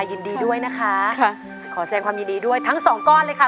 ยินดีด้วยนะคะค่ะขอแสดงความยินดีด้วยทั้งสองก้อนเลยค่ะ